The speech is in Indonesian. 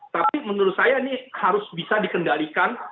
tapi menurut saya ini harus bisa dikendalikan